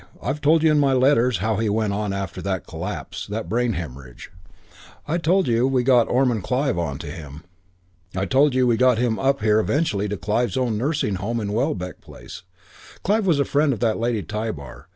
I've told you in my letters how he went on after that collapse, that brain hemorrhage. I told you we got Ormond Clive on to him. I told you we got him up here eventually to Clive's own nursing home in Welbeck Place. Clive was a friend of that Lady Tybar.